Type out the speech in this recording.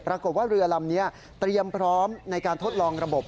เรือลำนี้เตรียมพร้อมในการทดลองระบบ